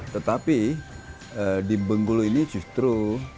tetapi di bengkulu ini justru